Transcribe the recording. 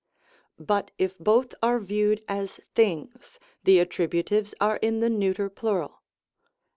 But if both are viewed as things, the attributives are in the neuter plural.